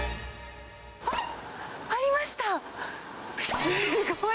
あ！ありました。